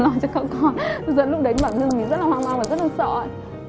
rồi lúc đấy mình rất là hoang hoang và rất là sợ